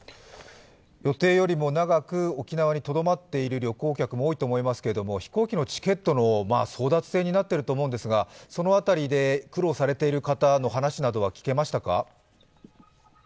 予定よりも長く沖縄にとどまっている旅行客の方も多いと思いますけれども飛行機のチケットの争奪戦になっているかと思うんですがその辺りで、苦労されている方の話などは聞けましたか？